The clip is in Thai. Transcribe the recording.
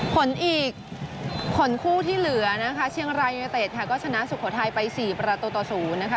ผลอีกขนคู่ที่เหลือนะคะเชียงรายยูเนเต็ดค่ะก็ชนะสุโขทัยไป๔ประตูต่อ๐นะคะ